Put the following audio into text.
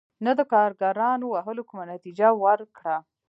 نه د کارګرانو وهلو کومه نتیجه ورکړه.